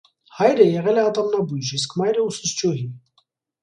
Հայրը եղել է ատամնաբույժ, իսկ մայրը ուսուցչուհի։